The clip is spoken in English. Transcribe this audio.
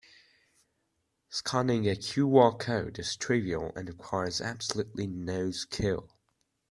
Scanning a QR code is trivial and requires absolutely no skill.